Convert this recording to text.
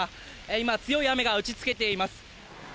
今、強い雨が打ちつけています。